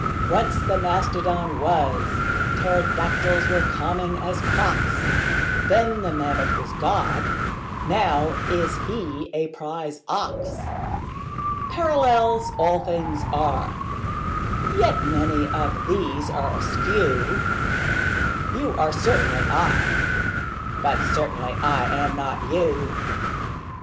Once the mastodon was: pterodactyls were common as cocks: Then the mammoth was God: now is He a prize ox. Parallels all things are: yet many of these are askew: You are certainly I: but certainly I am not you.